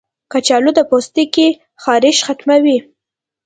کچالو د پوستکي خارښ ختموي.